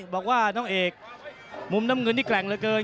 บอกว่าน้องเอกมุมน้ำเงินนี่แกร่งเหลือเกิน